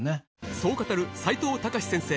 そう語る齋藤孝先生